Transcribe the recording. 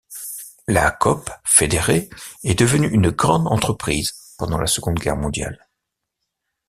La Coop fédérée est devenue une grande entreprise pendant la Seconde Guerre mondiale.